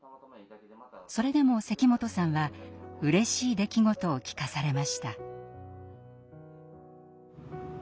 それでも関本さんはうれしい出来事を聞かされました。